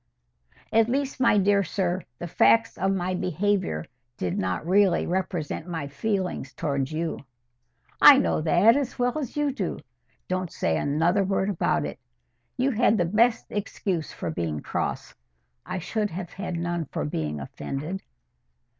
"At least, my dear sir, the facts of my behaviour did not really represent my feelings towards you." "I know that as well as you do. Don't say another word about it. You had the best excuse for being cross; I should have had none for being offended."